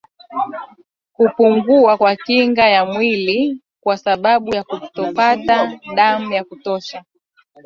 Kupungua kwa kinga ya mwili kwa sababu ya kutopata danga ya kutosha